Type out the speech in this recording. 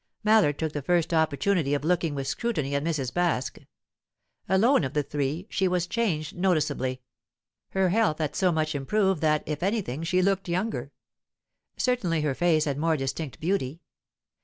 Mallard took the first opportunity of looking with scrutiny at Mrs. Baske. Alone of the three, she was changed noticeably. Her health had so much improved that, if anything, she looked younger; certainly her face had more distinct beauty.